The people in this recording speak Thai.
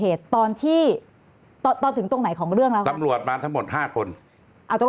เอ่อตรงนั้นไม่ใช่๒หรอ